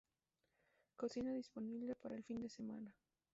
Cocina disponible para el fin de semana.